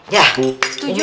ya umi setuju